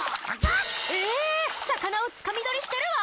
ええっ魚をつかみ取りしてるわ！